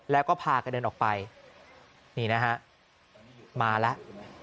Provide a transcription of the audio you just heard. แล้วก็พากันเดินออกไปนี่นะฮะมาแล้ว